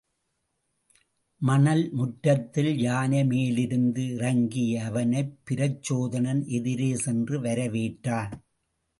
மணல் முற்றத்தில் யானை மேலிருந்து இறங்கிய அவனைப் பிரச்சோதனன் எதிரே சென்று வரவேற்றான்.